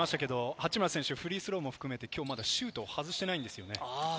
八村選手はフリースローも含めて、まだシュートを外してないんですよね。